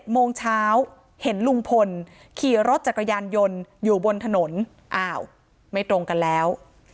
โมงเช้าเห็นลุงพลขี่รถจักรยานยนต์อยู่บนถนนอ้าวไม่ตรงกันแล้ว